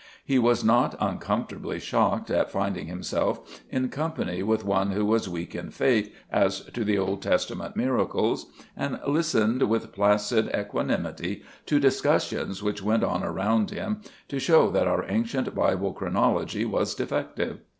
He was not uncomfortably shocked at finding himself in company with one who was weak in faith as to the Old Testament miracles, and listened with placid equanimity to discussions which went on around him to show that our ancient Bible chronology was defective.